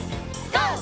ＧＯ！